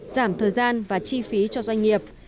giảm thời gian và chi phí cho sở ngành